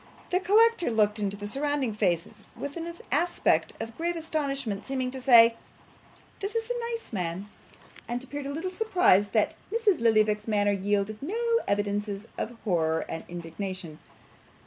The collector looked into the surrounding faces with an aspect of grave astonishment, seeming to say, 'This is a nice man!' and appeared a little surprised that Mrs. Lillyvick's manner yielded no evidences of horror and indignation.